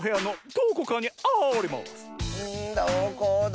どこだ？